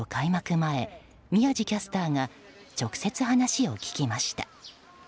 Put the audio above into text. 前宮司キャスターが直接話を聞きました。